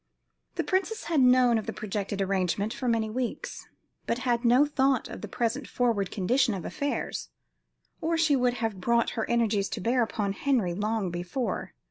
The princess had known of the projected arrangement for many weeks, but had no thought of the present forward condition of affairs, or she would have brought her energies to bear upon Henry long before.